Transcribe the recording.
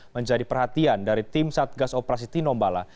menjadi perhatian dari tim satgas operasi tinombala